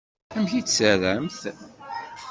Amek i tt-terramt?